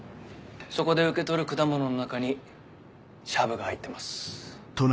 そこで受け取る果物の中にシャブが入ってます。